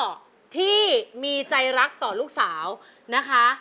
พ่อที่มีใจรักต่อลูกสาวนะคะ